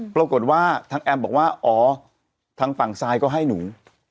ปรากฏว่าทางแอมบอกว่าอ๋อทางฝั่งทรายก็ให้หนู